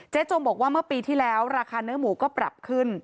จมบอกว่าเมื่อปีที่แล้วราคาเนื้อหมูก็ปรับขึ้น